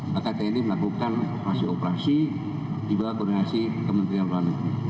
maka tni melakukan operasi operasi di bawah koordinasi kementerian luar negeri